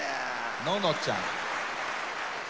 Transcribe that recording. ののちゃん。